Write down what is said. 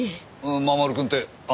守くんってあの？